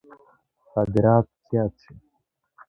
صادرات زیات شي.